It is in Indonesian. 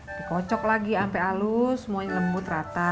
dikocok lagi sampai halus semuanya lembut rata